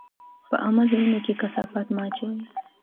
په عامه ځایونو کې کثافات مه اچوئ.